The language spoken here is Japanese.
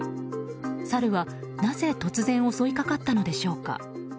サルはなぜ突然襲いかかったのでしょうか。